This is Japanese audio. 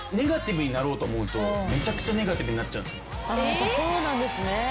やっぱそうなんですね。